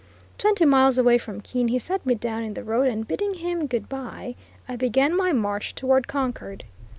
Twenty miles away from Keene he set me down in the road, and, bidding him "good bye," I began my march toward Concord.